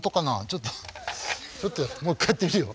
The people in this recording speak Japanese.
ちょっとちょっともう一回やってみるよ。